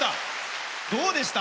どうでした？